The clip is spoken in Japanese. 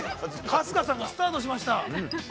春日さんがスタートしました。